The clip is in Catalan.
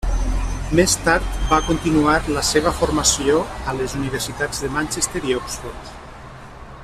Més tard va continuar la seva formació a les universitats de Manchester i Oxford.